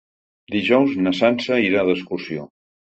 Dijous na Sança irà d'excursió.